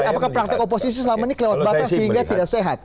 apakah praktek oposisi selama ini kelewat batas sehingga tidak sehat